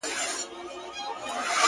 • ستا د مخ له اب سره ياري کوي.